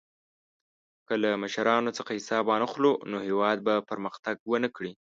که له مشرانو څخه حساب وانخلو، نو هېواد به پرمختګ ونه کړي.